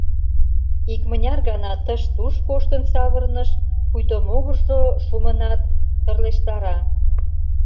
Икмыняр гана тыш-туш коштын савырныш, пуйто могыржо шумынат, тырлештара.